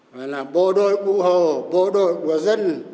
gọi là bộ đội bù hồ bộ đội của dân